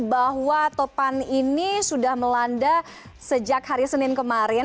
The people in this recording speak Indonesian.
bahwa topan ini sudah melanda sejak hari senin kemarin